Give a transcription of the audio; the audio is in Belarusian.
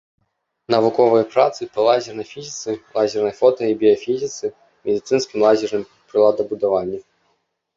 Навуковыя працы па лазернай фізіцы, лазернай фота- і біяфізіцы, медыцынскім лазерным прыладабудаванні.